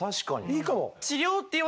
いいかも。